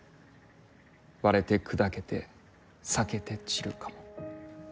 破れて砕けて裂けて散るかも」。